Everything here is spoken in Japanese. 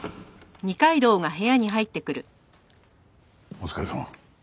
お疲れさま。